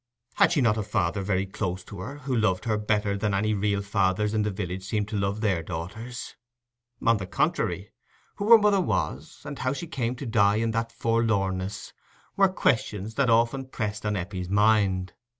Had she not a father very close to her, who loved her better than any real fathers in the village seemed to love their daughters? On the contrary, who her mother was, and how she came to die in that forlornness, were questions that often pressed on Eppie's mind.